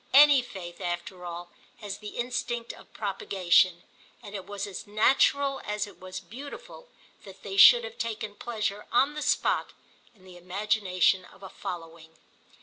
Any faith, after all, has the instinct of propagation, and it was as natural as it was beautiful that they should have taken pleasure on the spot in the imagination of a following.